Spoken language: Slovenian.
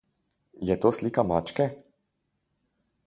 Je to slika mačke?